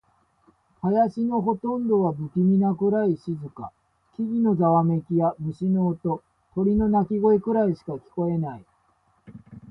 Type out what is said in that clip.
林のほとんどは不気味なくらい静か。木々のざわめきや、虫の音、鳥の鳴き声くらいしか聞こえない。